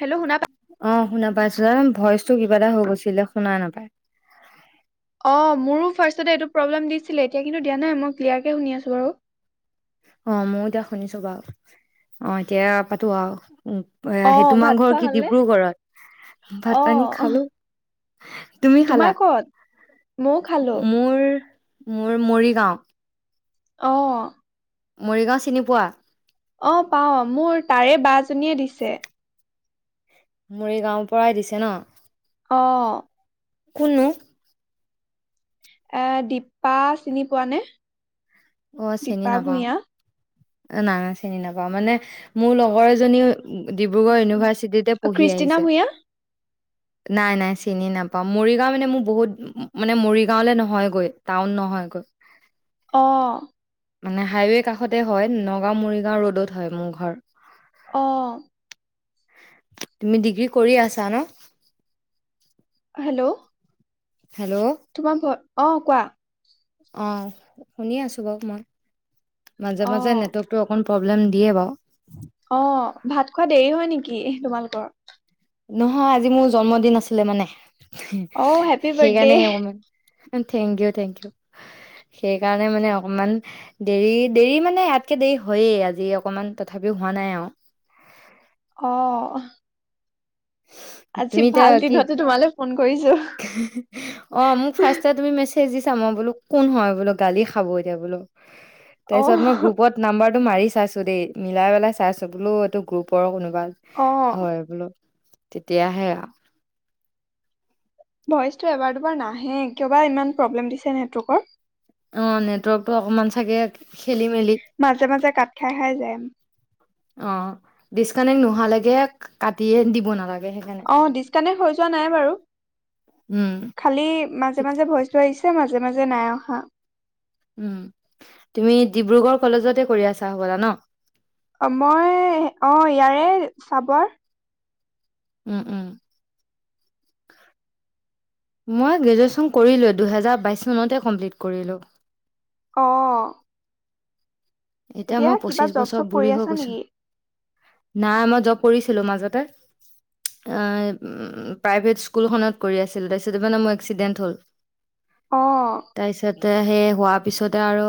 Hello শুনা পা অ', শুনা পাই'- ভইচটো কিবা এটা হৈ গৈছিলে শুনা নাপায়। অ', মোৰো ফাৰ্ষ্টতে এইটো প্ৰব্লেম দিছিলে এতিয়া কিন্তু দিয়া নাই মই ক্লিয়াৰকে শুনি আছো বাৰু। অ', মই এতিয়া শুনিছো বাৰু অ', এতিয়া পাতো আৰু। উ আহি অ' ভাত তোমাৰ ঘৰ খোৱা কি হ'লনে? ডিব্ৰুগৰত? ভাত পানী অ' খালো, তুমি তোমাৰ খালা? ক'ত? ময়ো খালোঁ। মোৰ মোৰ মৰিগাঁও। অহ। মৰিগাঁও চিনি পোৱা? অ', পাওঁ মোৰ তাৰে বা জনীয়ে দিছে। মোৰ এই গাঁওৰ পৰাই দিছে ন'? অ'। কনো এ দিপা চিনি পোৱা নে? অ', চিনি নাপাওঁ। অ', নানা চিনি নাপাওঁ মানে মোৰ লগৰ এজনীও ডিব্ৰুগড় ইউনিভাৰ্চিটিতে পঢ়ি কৃষ্টিনা আহিছে। ভূঞা নাই নাই চিনি নাপাওঁ মৰিগাঁও মানে মোৰ বহুত মানে মৰিগাঁওলৈ নহয়গৈ টাউন নহয়গৈ। অহ। মানে হাইৱে কাষত তে হয় নগাঁও মৰিগাঁও ৰদত হয় মোৰ ঘৰ। অ'। তুমি ডিগ্ৰী কৰি আছা ন'? হেল্ল' হেল্ল' তোমাৰ ঘৰ অ' কোৱা অ', শুনি আছো বাৰু মই। মাজে মাজে অ' নেটৱৰ্ক টো অকণ প্ৰব্লেম দিয়ে বাৰু। অ' ভাত খোৱা দেৰি হয় নেকি তোমালোকৰ? নহয় আজি মোৰ জন্মদিন আছিলে মানে অ' হেপী বাৰ্থডে সেইকাৰণে অকমান থেংক ইউ থেংক ইউ। সেইকাৰণে মানে অকমান দেৰি, দেৰি মানে ইয়াতকে দেৰি হয়েই আজি অকমান তথাপিও হোৱা নাই আৰু। অ' আজি তুমি এতিয়া ভাল কি দিনতে তোমালৈ ফোন কৰিছো। অ', মোক ফাৰ্ষ্টে তুমি মেচ চেজ দিছা, মই বোলো কোন হয় বোলো, গালি খাব এতিয়া বোলো। তাৰপিছত মই অ', গ্ৰুপত নাম্বাৰ মাৰি চাইছো দেই, মিলাই পেলাই চাইছো, বোলো এইটো গ্ৰুপৰে কোনো বা অ', হয় বুলো। তেতিয়াহে আও ভইচটো এবাৰ দুবাৰ নাহে কিয়বা ইমান প্ৰব্লেম দিছে নেটৱৰ্কৰ। অ', নেটৱৰ্কতটো অকমান চাগে খেলি মেলি মাজে মাজে কঠ খাই খাই যায়। অ ডিচকানেক্ট নোহোৱালৈকে কাটিয়ে দিব নালাগে। সেইকাৰণে অ', ডিচকানেক্ট হৈ যোৱা নাই বাৰু উম খালি মাজে মাজে ভইছটো আহিছে মাজে মাজে, মাজে নাই অহা। উম, তুমি ডিব্ৰুগড় কলেজতে কৰি আছা হ'বলা ন'? অ', মই অ', ইয়াৰে চাবৰ উম, উম। মই গ্ৰেজুৱেশ্যন কৰিলোৱে দুহেজাৰ বাইশ চনতে কমপ্লিট কৰিলোঁ। অ এতিয়া মই কিবা পঁচিশ জব বছৰ চব বুঢ়ী কৰি হৈ আছা গৈছো নেকি নাই মই জব কৰিছিলো মাজতে প্ৰাইভ স্কুলখনত কৰি আছিলো তাৰিতে মানে মোৰ এক্সিডেন্ট হ'ল অ', তাৰপিছত তা সেই হোৱাৰ পিছতে আৰু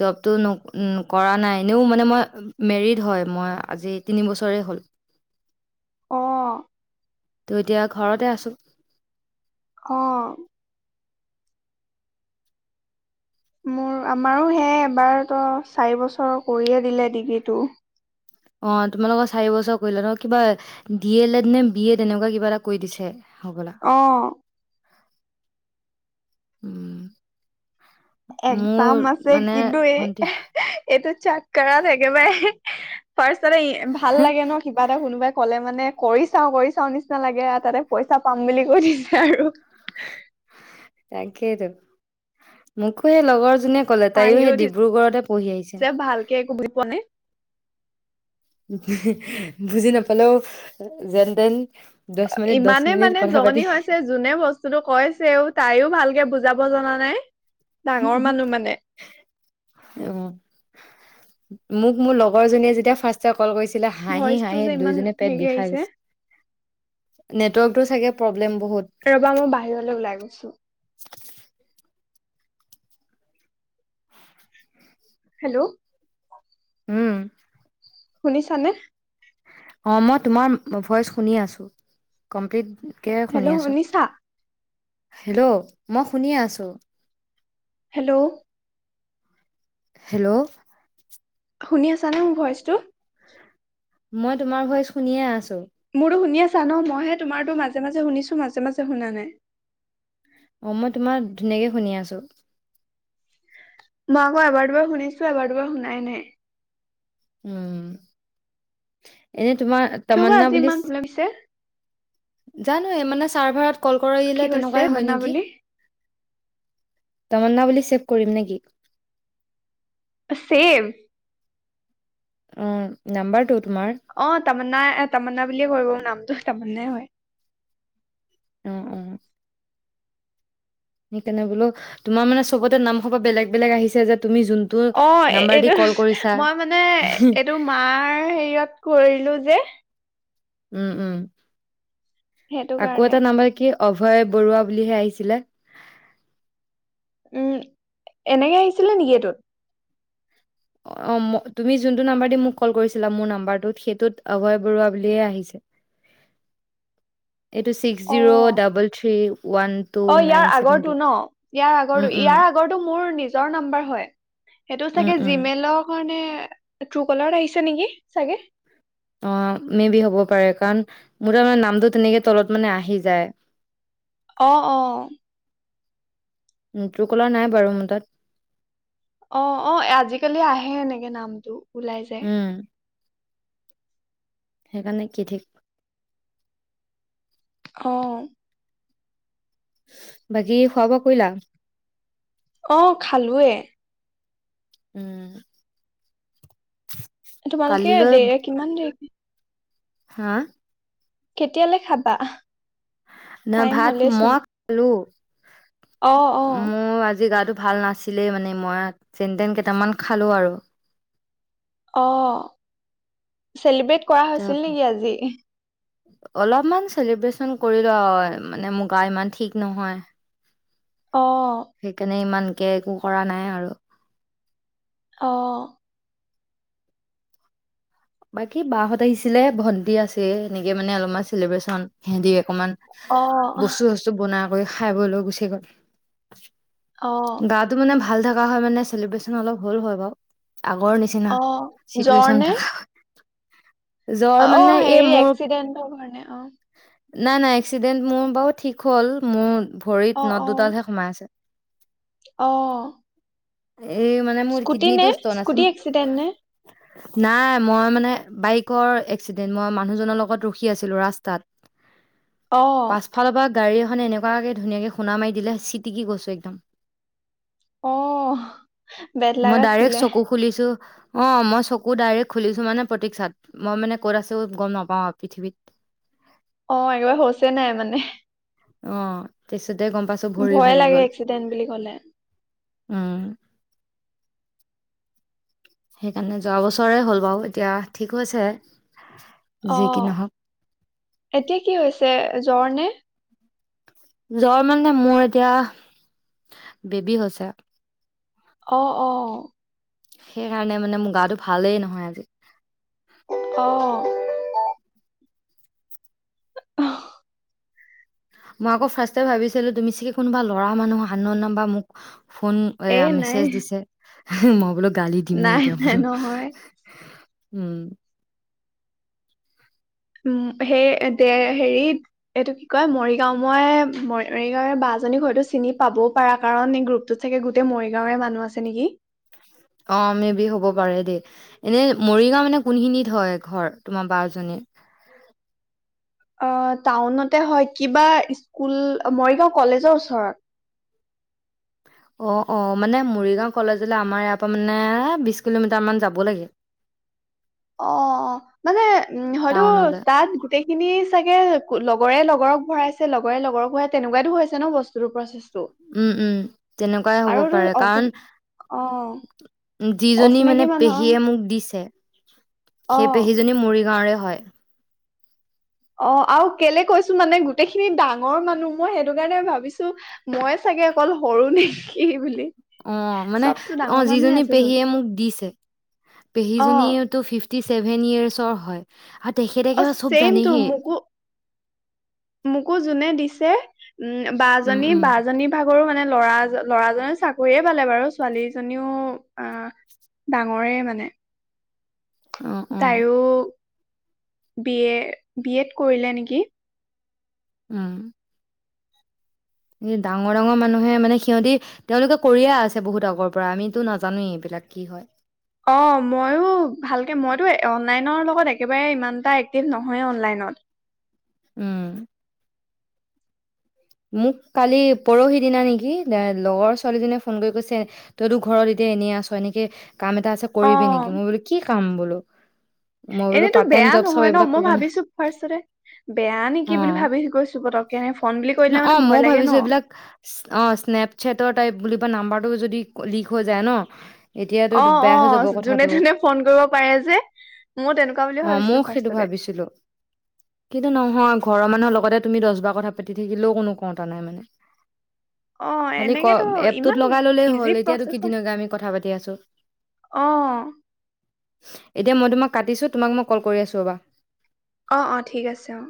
জবটো উম কৰা নাই এনেও মানে মই মেৰিড হয় মই আজি তিন বছৰেই হ'ল অ ত এতিয়া ঘৰতে আছো অ মোৰ আমাৰো সেয়াই এবাৰতো চাৰি বছৰ কৰিয়ে দিলে ডিগ্ৰীটো অ তোমালোকৰ চাৰি বছৰ কৰিলো নহ কিবা ডি এলে এড নে বি এড এনেকুৱা কিবা এটা কৰি দিছে হ'বলা আহ উম মোৰ একচাম আছে মানে কিন্তু এই ভন্টি এইটো চোক কৰত থ একেবাৰে ফাৰ্ষট ভাল লাগে ন কিবা এটা কোনোবাই ক'লে মানে কৰি চাও কৰি চাও নিচিনা লাগে তাতে পইচা পাম বুলি কৈ দিছে আৰু তাকেইত মোকো সেই লগৰ যোনে ক'লে তাইো হাঁহি সেই ডিব্ৰুগড়তে পঢ়ি আহিছে উঠিছে ভালকে একো বুজি পোৱা নাই বুজি নাপালেও যেনতেন ইমানে মানে জনি হৈছে যোনে বস্তুতো কৈছেও তাইও ভালকে বুজাব হ জনা নাই ডাঙৰ মানুহ মানে অঁ মোক মোৰ লগৰ জনীয়ে যেতিয়া ফাৰ্ষ কল কৰিৈছিলে হাঁহি ভইচটো হাঁহি যে ইমান দুইজনে পেট হেৰি বিষাই আহিছে গৈছে নেটৱৰ্কতটো চাগে প্ৰব্লেম বহুত। ৰবা মই বাহিৰলৈ ওলাই গৈছো হেল্ল' উম শুনিছানে অ মই তোমাৰ ভইচ শুনি আছো কমপ্লিট হেল্ল' অনিশা হেল্ল' মই শুনিিয়ে আছো হেল্ল' হেল্ল' শুনি আছা না মোৰ ভইচটো মই তোমাৰ ভইচ শুনিয়ে আছো মোৰো শুনি আছে জান মইহে তোমাৰতো মাজে মাজে শুনিছো মাজে মাজে শুনা নাই অ' মই তোমাৰ ধুনীয়াকে শুনি আছো। মই আকৌ এবাৰ দুবাৰ শুনিছো এবাৰ দুবাৰ শুনাই নাই। উম, এনে তোমাৰ কিয় বা তমন্না আজি বুলি ইমান প্ৰব্লেম দিছে জানো মানে চাৰ্ভাৰত ক'ল কি কৰিলে কৈছে তেনেকুৱাই হয় তামান্না নেকি? বুলি তমন্না বুলি ছেভ কৰিম নেকি? ছেব উম, নান্বাৰ টো। অ', তাম্নাাই এ তমন্না বুলিয়ে কয় নামটো তাম্নাই হয়। উম-উম-। সেইকাৰণে বোলো, তোমাৰ মানে চবতে নামসোপা বেলেগ বেলেগ আহিছে যে তুমি যোনটো অ নাম্বাৰ দি এইটো কল কৰিছা মই মানে এইটো মাৰ হেৰিয়ত কৰিলো যে উম- উম। সেইটো আকৌ কাৰণে এটা নম্বৰ কি অভয় বৰুৱা বুলিহে আহিছিলে উম, এনেকে আহিছিলে নেকি এইটোত? অ, ম তুমি জোনটো নাম্বাৰ দি মোক কল কৰিছিলা, মোৰ নাম্বাৰটোত, সেইটোত অভয় বৰুৱা বুলিয়েই আহিছে। এইটো ছিক্স অ zero double three one two অ' নাইন ইয়াৰ ছেভেন আগৰটো টু ন, ইয়াৰ উম আগৰটো, উম ইয়াৰ আগৰটো মোৰ নিজ নিজৰ নাম্বাৰ হয়। সেইটো উম চাগে উম জিমেলৰ কাৰণে ট্ৰু কলাৰত আহিছে নেকি চাগে? অ', মে' বি হ'ব পাৰে, কাৰণ মোৰ তাৰ মানে নামটো তেনেকে তলত মানে আহি যায়। অ, অ। উ, ত্ৰোকলাৰ‌ নাই বাৰু মোৰ তাত। অ, অ, আজিকালি আহে এনেকে নামটো। ওলাই যায়। উম সেইকাৰণে কি ঠিক? অ'। বাকী খোৱা-বোৱা কৰিলা? অ' খালোঁৱেই। উম্। তোমালোকে দেৰে কিমান দেৰিক হা? কেতিয়ালে খাবা আহ? না ভাত ম খালোঁ। অ অ মোৰ আজি গাটো ভাল নাছিলেই মানে, মই যেনতেন কেইটামান খালোঁ আৰু। অ, চেলিব্ৰেট কৰা হৈছিল তাৰপৰা নেকি আজি? অলপমান চেলিব্ৰেচন কৰিলোঁ আও, মানে মো গা ইমান ঠিক নহয়। অ সেইকাৰণে ইমান কে-কো একো কৰা নাই আৰু। অ'। বাকী বাহত আহিছিলে, ভন্টি আছে এনেকে মানে অলপমান চেলিব্ৰেচন সিহঁতি অকণমান অ বস্তু চস্তু বনাম। খাই বৈ লৈ গুচি গ'ল। অ গা টো মানে ভাল ভাল থকা হয় মানে চেলিব্ৰেচন অলপ হ'ল হয় বাৰু আগৰ নিচিনা, অ জ্বৰ চিটুৱেচন নে থকা জ্বৰ অ', অ, মানে এই হেৰি মোৰ এক্সিডেন্টৰ কাৰণে অ। নাই নাই, এক্সিডেণ্ট মোৰ বাৰু ঠিক হ'ল, মোৰ অ ভৰিত অ নট দুডালহে সোমাই আছে অ' এই মানে মোৰ স্কুটি কিডনীটো নে ষ্টন আছে স্কুটি এক্সিডেণ্ট নে? নাই মই মানে বাইকৰ এক্সিডেন্ট মই মানুহজনৰ লগত ৰখি আছিলো, ৰাষ্টাত অ পাছফালৰ পৰা গাড়ী মানে এনেকুৱাকে ধুনীয়াকে খুন্দা মাৰি দিলে, চিটিকি গৈছো একদম। অ বেদ লাগ মই ডাইৰেক্ট আছিলে চকু খুলিছোঁ অ', মই চকু ডাইৰেক্ট খুলিছো মানে প্ৰতীক্ষাত। মই মানে ক'ত আছো গম নাপাওঁ আও পৃথিৱীত অ', একেবাৰে হোছে নাই মানে অ', তাছ ভয়ে লাগে এক্সিডেণ্ট বুলি কলে। উম, সেইকাৰণে যোৱা বছৰে হ'ল বাৰু, এতিয়া ঠিক হৈছে যি কি অ', নহওক এতিয়া কি হৈছে? জ্বৰ নে? জ্বৰ মানে মোৰ এতিয়া বেবী হৈছে। অ, অ' সেইকাৰণে মানে মোৰ গাটো ভালেই নহয় আজি। অ' মই আকৌ ফাৰ্ষ্টে ভাবিছিলো তুমি চাগে কোনোবা ল'ৰা মানুহ, আনন'ন নাম্বাৰ, মোক ফোন, এ এয়া নাই মেছেজ দিছে মই বুলো গালি দিমে নাই এতিয়া নাই বুলো নহয় উম উম, সেই দে হেৰি, এইটো কি কয় মৰিগাঁও মই, মৰিগাঁৱৰে বা জনীক হয়তো চিনি পাবও পাৰা, কাৰণ এই গ্ৰুপটোত চাগে গোট গোটেই মৰিগাঁৱৰে মানুহ আছে নেকি? অ মে বি হ'ব, পাৰে দেই। এনে মৰিগাঁও মানে কোনখিনিত হয় ঘৰ তোমাৰ বাজনীৰ? অ টাউনতে হয় কিবা স্কুল, মৰিগাঁও কলেজৰ ওচৰত। অ, অ, মানে মৰিগাঁও কলেজলৈ আমাৰ ইয়াৰ পৰা মানে বিশ কিলোমিটাৰ মান যাব লাগে। অ, অ, অ। মানে হয়তো টাউনলৈ তাত গোটেইখিনি চাগে লগৰে লগৰক ভৰাইছে, লগৰে লগৰক ভৰাই তেনেকুৱাতো হৈছে ন বস্তুটো প্ৰচেছ উম, উম, তেনেকুৱাই হ'ব পাৰে, অচিন অ কাৰণ যিজনী অচিনাকি মানে মানুহৰ পেহীয়ে মোক দিছে, অ সেই পেহীজনী মৰিগাঁওৰে হয়। অ, আৰু কেলে কৈছোঁ মানে গোটেইখিনি ডাঙৰ মানুহ, মই সেইটো কাৰণে ভাবিছোঁ, ময়ে চাগে অকল সৰু নেকি বুলি। অ' মানে, চবতো ডাঙৰ অ' মানুহে যিজনী আছেচোন পেহীয়ে মোক দিছে, অ পেহীজনীয়েটো ফিফ্ টি চেভেন ইয়েৰ্চৰ হয়। আৰু তেখেতে অ, একেবাৰে চব চেইমটো! জানেহেই মোকো, মোকো যোনে দিছ তে উম, বা উম জনী, উম বা জনী ভাগৰো মানে ল'ৰাজন, ল'ৰাজনে চাকৰিয়ে পালে বাৰু, ছোৱালীজনীও আ, ডাঙৰে মানে অ অ তাইৰো বি এ, বি এড কৰিলে নেকি? উম। এ, ডাঙৰ, ডাঙৰ মানুহে মানে সিহঁতি, তেওঁলোকে কৰিয়ে আছে বহুত আগৰ পৰা, আমিতো নাজানোৱেই এইবিলাক কি হয়! অ', ময়ো ভালকে, মইতো অনলাইনৰ লগত একেবাৰে ইমানটা এক্টিভ নহয়, অনলাইনত। উম। মোক কালি, পৰহি দিনা নেকি লগৰ ছোৱালীজনীয়ে ফোন কৰি কৈছে, তইতো ঘৰত এতি এনে আছ, এনেকে কাম এটা আছে, অ কৰিবি নেকি? মই বোলো কি কাম বোলো! মই বোলো এনেতো পাৰ্ট টাইম বেয়া জব চব নহয় ন, এইবিলাক মই কৰিব না ভাবিছো ফাৰ্ষ্টতে, বেয়া নেকি বুলি অ ভাবি কৈছোঁ পতকে ফন বুলি কৈ ন দিলে অ মানে মই ভয় লাগে ন ভাবিছো এইবিলাক অ স্নেপশ্বটৰ টাইপ বুলি নাম্বাৰ টো যদি লিক হৈ যায় ন? এতিয়াতো অ, অ, বেয়া হৈ যাব জোনে কথাটো তোনে ফোন কৰিব পাৰে যে, ময়ো তেনেকুৱা বুলিয়ে অ ময়ও ভাবিছিলো সেইটো ফাৰ্ষ্টতে। ভাবিছিলো কিন্তু নহয় ঘৰৰ মানুহৰ লগতে তুমি দছ বাৰ কথা পাতি থাকি লেও কোনো কওঁতা নাই মানে অ খালি ক এনেকেতো এপটোত ইমান লগাই ললেই ইজি হল এতিয়াতো কি প্ৰচেছত ধুনীয়াকৈ আমি কথা পাতি আছোঁ। অ এতিয়া মই তোমাক কাটিছো, তোমাক মই কল কৰি আছো ৰবা। অ, অ, ঠিক আছে অ'